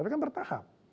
itu kan bertahap